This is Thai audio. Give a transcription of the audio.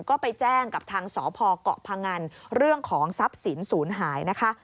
ก็ไปแจ้งกับทางสพเกาะพงันเรื่องของทรัพย์สินศูนย์หายนะคะ